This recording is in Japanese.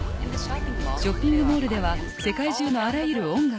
ショッピングモールでは世界中のあらゆる音楽